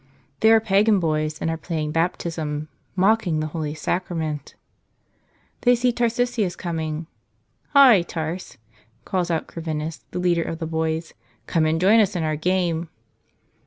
They are pagan boys and are playing baptism, mocking the holy Sacrament! They see Tarsicius coming. "Hi, Tarse!" calls out Corvinus, the leader of the boys, "come and join us in our game